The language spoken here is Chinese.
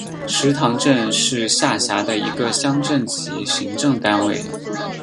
石塘镇是下辖的一个乡镇级行政单位。